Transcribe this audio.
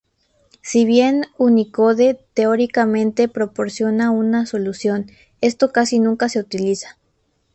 Si bien Unicode, teóricamente, proporciona una solución, esto casi nunca se utiliza.